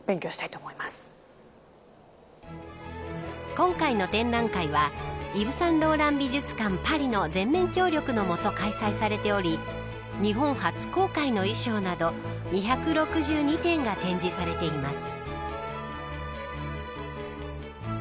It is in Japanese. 今回の展覧会はイヴ・サンローラン美術館パリの全面協力のもと開催されており日本初公開の衣装など２６２点が展示されています。